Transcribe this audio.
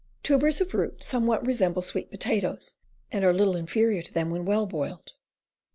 Tubers of root somewhat resemble sweet potatoes, and are little inferior to them when well boiled.